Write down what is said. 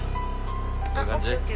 こういう感じ？